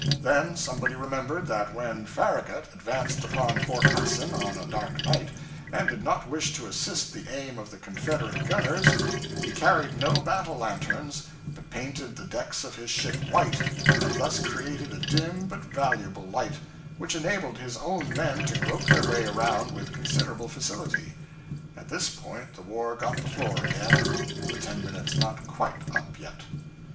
Then somebody remembered that when Farragut advanced upon Port Hudson on a dark night and did not wish to assist the aim of the Confederate gunners he carried no battle lanterns, but painted the decks of his ships white, and thus created a dim but valuable light, which enabled his own men to grope their way around with considerable facility. At this point the war got the floor again the ten minutes not quite up yet.